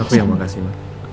aku yang makasih ma